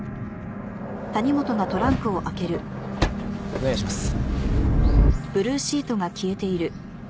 お願いします。